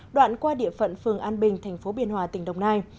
đoạn qua địa phận phường an bình thành phố biên hòa tỉnh đồng nai